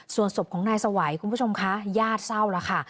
ส่วนศพของนายสวัยคุณผู้ชมคะญาติเศร้าแล้วค่ะ